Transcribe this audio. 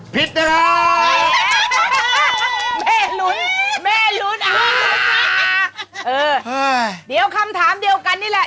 ผิดนะครับแม่หลุ้นแม่หลุ้นอ่าเออเดี๋ยวคำถามเดียวกันนี่แหละ